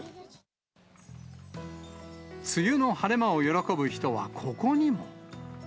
梅雨の晴れ間を喜ぶ人はここにも。